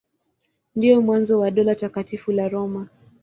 Ndio mwanzo wa Dola Takatifu la Roma.